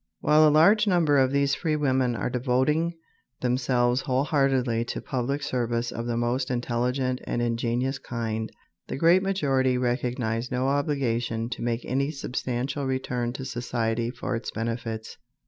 While a large number of these free women are devoting themselves whole heartedly to public service of the most intelligent and ingenious kind, the great majority recognize no obligation to make any substantial return to society for its benefits.